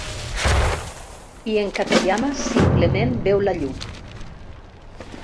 I en Katayama simplement veu la llum...